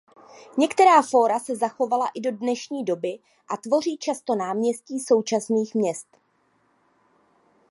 Některá fóra se zachovala i do dnešní doby a tvoří často náměstí současných měst.